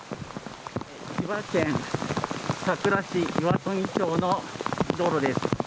千葉県佐倉市岩富町の道路です。